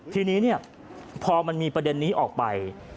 ทีนี้พอมันมีประเด็นนี้ออกไป